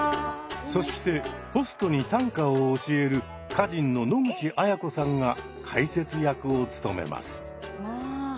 そしてホストに短歌を教える歌人の野口あや子さんが解説役を務めます。